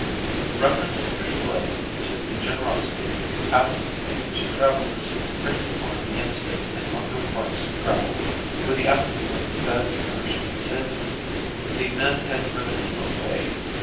The reference in Michelet to the generosity of the African woman to travelers brings to mind the incident in Mungo Park's travels, where the African women fed, nourished, and saved him. The men had driven him away.